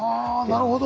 あなるほど。